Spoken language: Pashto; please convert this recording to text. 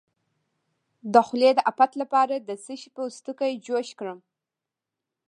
د خولې د افت لپاره د څه شي پوستکی جوش کړم؟